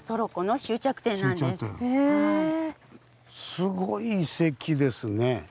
すごい遺跡ですね。